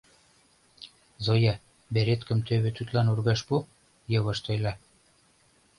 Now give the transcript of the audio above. — Зоя, береткым тӧвӧ тудлан ургаш пу, — йывышт ойла.